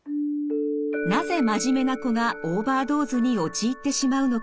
なぜ真面目な子がオーバードーズに陥ってしまうのか。